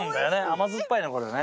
甘酸っぱいなこれね。